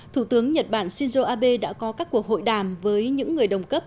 thủ tướng nhật bản shinzo abe đã có các cuộc hội đàm với những người đồng cấp